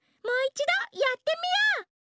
もういちどやってみよう！